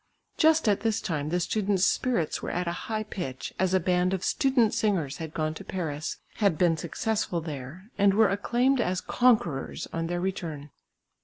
Just at this time the students' spirits were at a high pitch, as a band of student singers had gone to Paris, had been successful there, and were acclaimed as conquerors on their return.